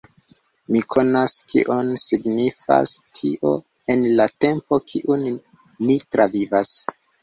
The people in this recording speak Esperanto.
Mi konas kion signifas tio en la tempo kiun ni travivas.